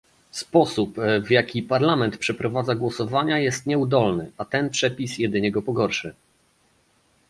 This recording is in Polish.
Sposób, w jaki Parlament przeprowadza głosowania jest nieudolny, a ten przepis jedynie go pogorszy